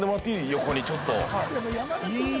横にちょっといい！